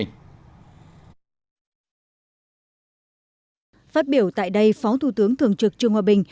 phát biểu tại đây phó thủ tướng thường trực trương hòa bình